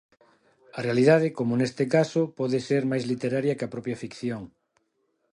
A realidade, como neste caso, pode ser máis literaria que a propia ficción.